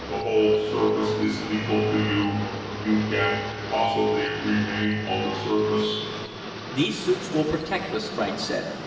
The whole surface is lethal to you. You can't possibly remain on the surface." "These suits will protect us," Franks said.